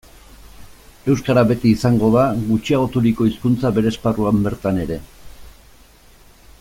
Euskara beti izango da gutxiagoturiko hizkuntza bere esparruan bertan ere.